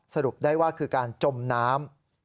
สรุปได้ว่าคือการจมน้ำ